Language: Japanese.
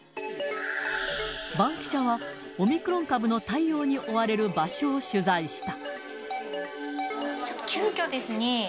バンキシャは、オミクロン株の対応に追われる場所を取材した。